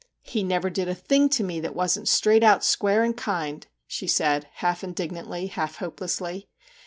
' He never did a thing to me that wasn't straight out, square, and kind/ she said, half indignantly, half hopelessly.